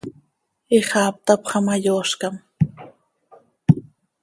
Ixaap tapxa ma, yoozcam.